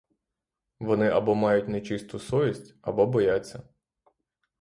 Вони або мають нечисту совість, або бояться.